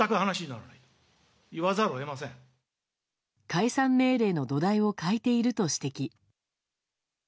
解散命令の土台を欠いていると指摘。